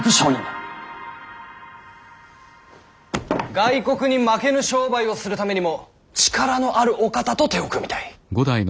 外国に負けぬ商売をするためにも力のあるお方と手を組みたい。